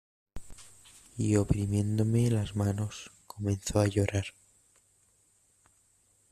y oprimiéndome las manos, comenzó a llorar.